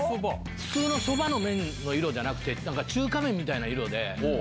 普通のそばの色じゃなくて中華麺みたいな色で。